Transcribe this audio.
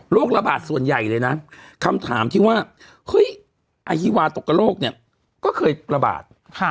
ระบาดส่วนใหญ่เลยนะคำถามที่ว่าเฮ้ยอาฮีวาตกกระโลกเนี่ยก็เคยระบาด